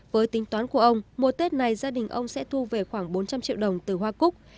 với tính toán của ông mùa tết này gia đình ông sẽ thu về khoảng bốn trăm linh triệu đồng từ hoa cúc